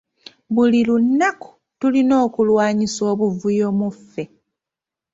Buli lunaku tulina okulwanyisa obuvuyo mu ffe.